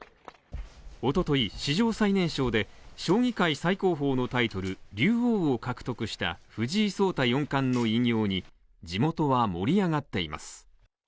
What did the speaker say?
一昨日史上最年少で将棋界最高峰のタイトル、竜王を獲得した藤井聡太四冠の偉業に、地元は盛り上がっています。